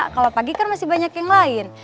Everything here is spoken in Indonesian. kalau pagi kan masih banyak yang lain